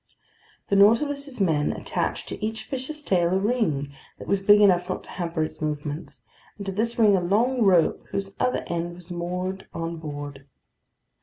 The Nautilus's men attached to each fish's tail a ring that was big enough not to hamper its movements, and to this ring a long rope whose other end was moored on board.